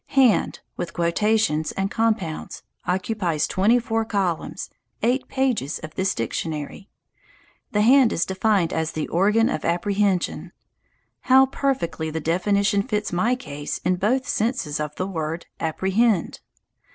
"Hand," with quotations and compounds, occupies twenty four columns, eight pages of this dictionary. The hand is defined as "the organ of apprehension." How perfectly the definition fits my case in both senses of the word "apprehend"!